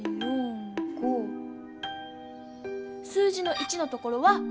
数字の「１」のところは５。